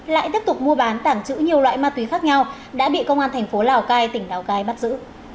lại tiếp tục mua bán tảng trữ nhiều loại ma túy khác nhau đã bị công an thành phố lào cai tỉnh lào cai bắt giữ